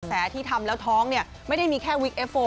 ที่ทำแล้วท้องเนี่ยไม่ได้มีแค่วิกเอฟโว